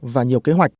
và nhiều kế hoạch